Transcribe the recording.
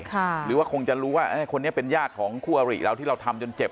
หรือว่าคงจะรู้ว่าคนนี้เป็นญาติของคู่อริเราที่เราทำจนเจ็บ